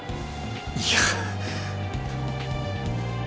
いや。